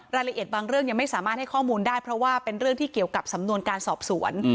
รายละเอียดบางเรื่องยังไม่สามารถให้ข้อมูลได้เพราะว่าเป็นเรื่องที่เกี่ยวกับสำนวนการสอบสวน